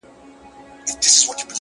درته ښېرا كومه،